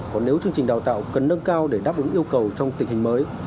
còn nếu chương trình đào tạo cần nâng cao để đáp ứng yêu cầu trong tình hình mới